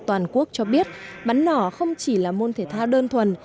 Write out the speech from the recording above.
toàn quốc cho biết bắn nỏ không chỉ là môn thể thao đơn thuần